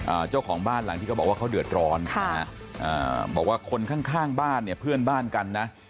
เจ้าของบ้านหลังที่เขาบอกว่าเขาเดือดร้อนค่ะอ่าบอกว่าคนข้างข้างบ้านเนี่ยเพื่อนบ้านกันนะ